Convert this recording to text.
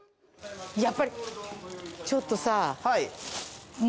やっぱりちょっとさ。